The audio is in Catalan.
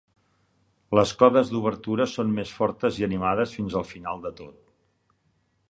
Les codes d'obertura són "més fortes i animades fins al final de tot".